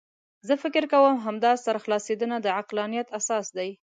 زه فکر کوم همدا سرخلاصېدنه د عقلانیت اساس دی.